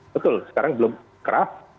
betul sekarang belum keras